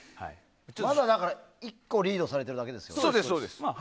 まだ１個リードされてるだけですから。